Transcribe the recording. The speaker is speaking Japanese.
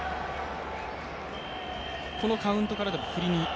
このカウントからでも振りに？